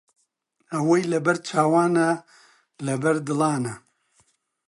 ئەوەی لەبەر چاوانە، لەبەر دڵانە